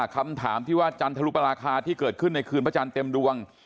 คำถามที่ว่าจันทรุปราคาที่เกิดขึ้นในคืนพระจันทร์เต็มดวง